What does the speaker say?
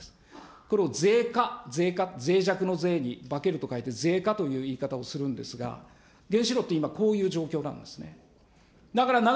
これをぜい化、ぜい化、ぜい弱のぜいに化けると書いて、ぜい化という言い方をするんですが、原子炉って、今、こういう状況なんですね。